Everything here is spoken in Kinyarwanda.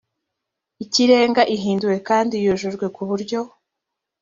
ikirenga ihinduwe kandi yujujwe ku buryo